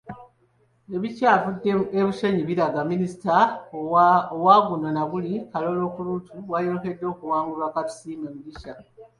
Ebikyavudde e Bushenyi biraga Minisita owa guno naguli Karooro, bw'ayolekedde okuwangulwa Katusiime Mugisha.